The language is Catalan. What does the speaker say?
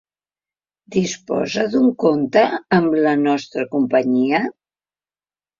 Disposa d'un compte amb la nostra companyia?